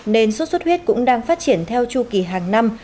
nên sốt xuất huyết cũng đang phát triển theo chu kỳ hàng năm